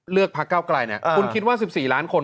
พักเก้าไกลเนี่ยคุณคิดว่า๑๔ล้านคน